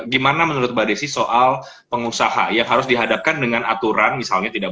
gimana menurut mbak desi soal pengusaha yang harus dihadapkan dengan aturan misalnya tidak